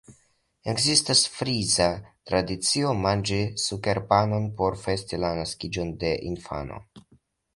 Ekzistas frisa tradicio manĝi sukerpanon por festi la naskiĝon de infano.